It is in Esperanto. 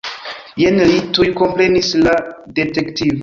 Jen li, tuj komprenis la detektivo.